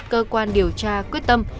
cơ quan điều tra quyết tâm